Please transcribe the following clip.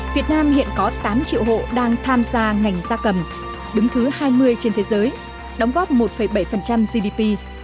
việt nam hiện có tám triệu hộ đang tham gia ngành da cầm đứng thứ hai mươi trên thế giới đóng góp một bảy gdp